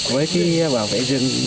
với khi bảo vệ rừng